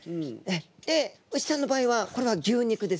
で牛さんの場合はこれは牛肉ですね。